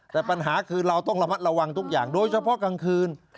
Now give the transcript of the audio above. แต่ปัญหาคือเราต้องระมัดระวังทุกอย่างโดยเฉพาะกลางคืน